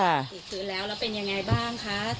ติดฟื้นแล้วแล้วเป็นยังไงบ้างคะ